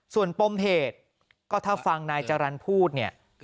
ส่วนปมเหตุก็ถ้าฟังนายจรรย์พูดเนี่ย